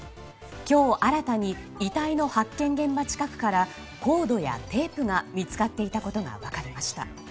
今日、新たに遺体の発見現場近くからコードやテープが見つかっていたことが分かりました。